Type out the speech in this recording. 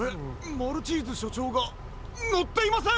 マルチーズしょちょうがのっていません！